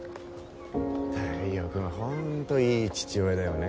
太陽君ホントいい父親だよね。